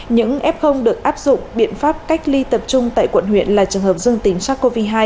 những f được áp dụng biện pháp cách ly tập trung tại quận huyện là trường hợp dương tính sars cov hai